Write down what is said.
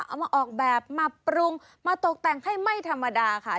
เอามาออกแบบมาปรุงมาตกแต่งให้ไม่ธรรมดาค่ะ